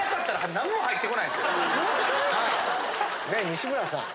西村さん